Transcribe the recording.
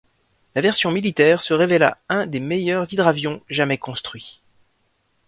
La version militaire se révéla un des meilleurs hydravions jamais construits.